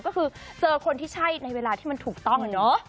ก็คือเจอคนที่ใช่ในเวลาที่มันถูกต้องอะเนาะ